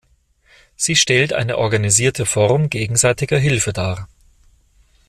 Sie stellt eine organisierte Form gegenseitiger Hilfe dar.